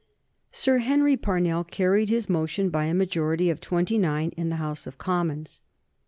Sir Henry Parnell carried his motion by a majority of twenty nine in the House of Commons.